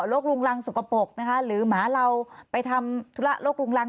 ลุงรังสกปรกนะคะหรือหมาเราไปทำธุระโรคลุงรัง